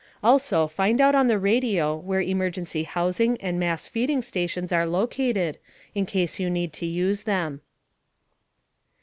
Also find out on the radio where emergency housing and mass feeding stations are located, in case you need to use them.